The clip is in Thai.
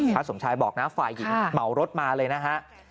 สมชายบอกนะฝ่ายหญิงเหมารถมาเลยนะฮะ